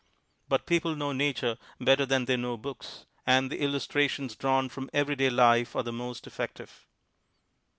But people know nature better than they know books, and the illustrations drawn from every day life are the m.ost effective.